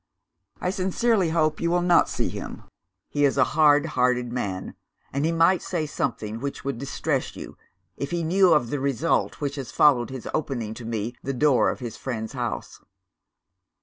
I sincerely hope you will not see him. He is a hard hearted man and he might say something which would distress you, if he knew of the result which has followed his opening to me the door of his friend's house.